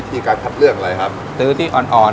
เช่นอาชีพพายเรือขายก๋วยเตี๊ยว